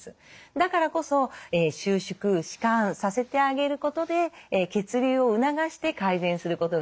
だからこそ収縮弛緩させてあげることで血流を促して改善することができる。